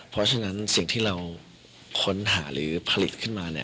เพราะฉะนั้นสิ่งที่เราค้นหาหรือผลิตขึ้นมา